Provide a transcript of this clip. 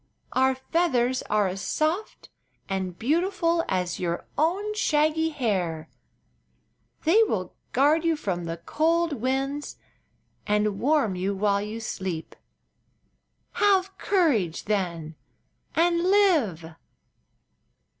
Our feathers are as soft and beautiful as your own shaggy hair. They will guard you from the cold winds and warm you while you sleep. Have courage, then, and live!"